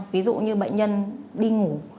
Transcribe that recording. ví dụ như bệnh nhân đi ngủ